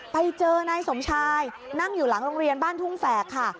ไปเจอนายสมชายนั่งอยู่หลังโรงเรียนบ้านทุ่งแฝกค่ะ